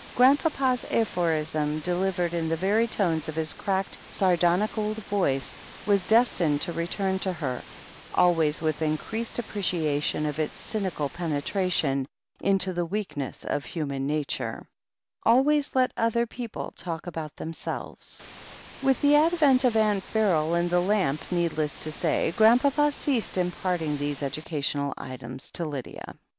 Grandpapa's aphorism, delivered in the very tones of his cracked, sardonic old voice, was destined to return to her, always with increased appreciation of its cynical penetration into the weakness of human nature : ''Always let the other people talk about themselves/' With the advent of Aunt Beryl and the lamp, need less to say. Grandpapa ceased imparting these educa tional items to Lydia.